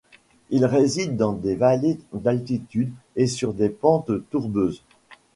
Il réside dans des vallées d'altitude et sur des pentes tourbeuses.